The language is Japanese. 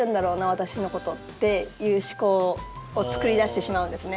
私のことっていう思考を作り出してしまうんですね。